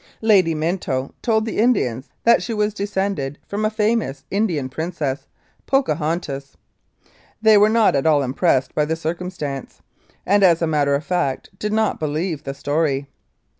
Lady Minto told the Indians that she was descended from a famous Indian princess, Pocahontas. They were not at all impressed by the circumstance, and as a matter of fact did not believe the story.